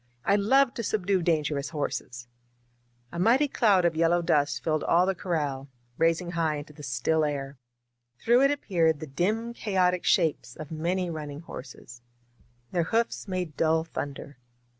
I love to subdue dangerous horses !" A mighty cloud of yellow dust filled all the corral, rising high into the still air. Through it appeared the dim chaotic shapes of many running horses. Their hoofs made dull thunder.